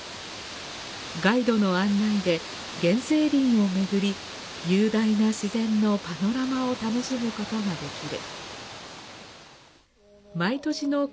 ガイドの案内で原生林を巡り、雄大な自然のパノラマを楽しむことができる。